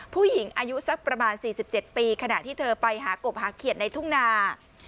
ผู้หญิงอายุสักประมาณ๔๗ปีขณะที่เธอไปหากบหาเขียดในทุ่งนา